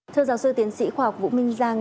thưa giáo sư tiến sĩ khoa học vũ minh giang